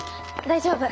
大丈夫。